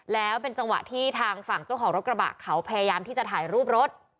แล้วเป็นจังหวะที่ทางฝั่งเจ้าของรถกระบะเขาพยายามที่จะถ่ายรูปรถ